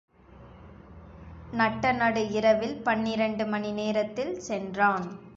நட்ட நடு இரவில் பன்னிரண்டு மணி நேரத்தில் சென்றான்.